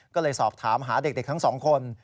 ก็เลยสอบถามหาเด็กทั้งสองคน